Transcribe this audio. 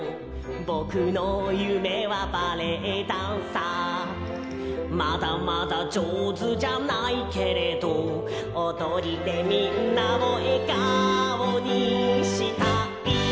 「ぼくのゆめはバレエダンサー」「まだまだじょうずじゃないけれど」「おどりでみんなをえがおにしたい」